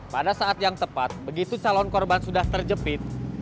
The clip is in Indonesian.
pada saat yang tepat begitu calon korban sudah terjepit